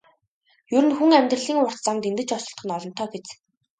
Ер нь хүн амьдралын урт замд эндэж осолдох нь олонтоо биз.